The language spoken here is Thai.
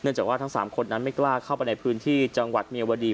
จากว่าทั้ง๓คนนั้นไม่กล้าเข้าไปในพื้นที่จังหวัดเมียวดี